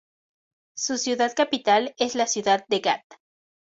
Su ciudad capital es la ciudad de Ghat.